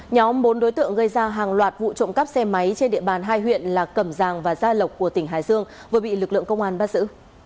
nhóm bốn đối tượng gây ra hàng loạt vụ trộm cắp xe máy trên địa bàn hai huyện là cầm giàng và gia lộc của tỉnh hải dương vừa bị lực lượng công an bắt giữ